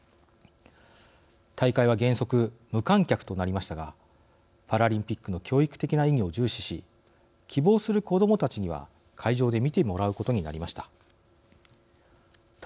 大会は原則無観客となりましたがパラリンピックの教育的な意義を重視し希望する子どもたちには会場で見てもらうことになりました。